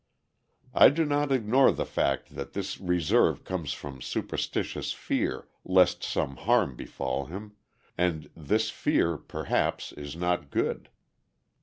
I do not ignore the fact that this reserve comes from superstitious fear lest some harm befall him, and this fear, perhaps, is not good.